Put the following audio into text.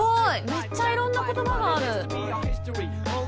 めっちゃいろんな言葉がある。